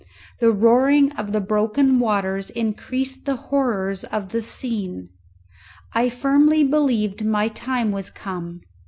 The roaring of the broken waters increased the horrors of the scene. I firmly believed my time was come.